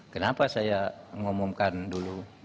kenapa saya ngumumkan dulu